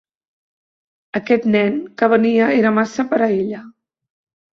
Aquest nen que venia era massa per a ella.